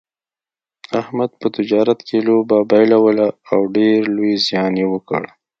احمد په تجارت کې لوبه بایلوله او ډېر لوی زیان یې وکړ.